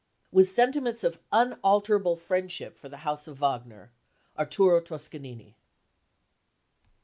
With sentiments of unalterable friendship for the house of Wagner : Arturo Toscanini."